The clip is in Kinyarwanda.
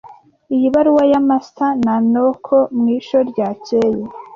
Iyi baruwa y amas na Naoko mwisho ryakeye.